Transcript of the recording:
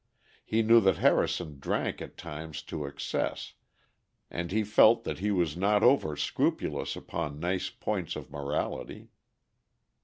He knew that Harrison drank at times to excess, and he felt that he was not over scrupulous upon nice points of morality.